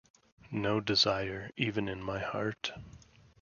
No desire even in my heart.